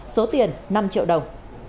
số tiền năm triệu đồng